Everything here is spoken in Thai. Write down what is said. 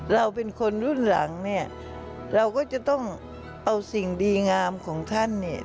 เราเป็นคนรุ่นหลังเนี่ยเราก็จะต้องเอาสิ่งดีงามของท่านเนี่ย